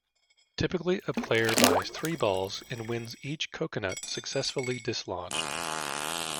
Typically a player buys three balls and wins each coconut successfully dislodged.